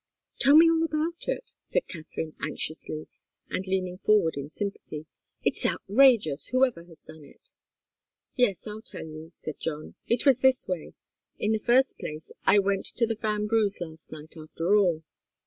"Tell me all about it," said Katharine, anxiously, and leaning forward in sympathy. "It's outrageous whoever has done it." "Yes, I'll tell you," said John. "It was this way. In the first place, I went to the Vanbrughs' last night, after all."